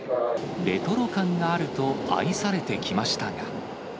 レトロ感があると、愛されてきましたが。